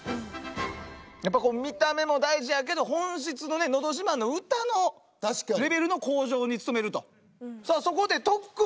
やっぱ見た目も大事やけど本質のね「のど自慢」の歌のレベルの向上に努めると。